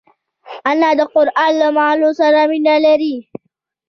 انا د قران له معناوو سره مینه لري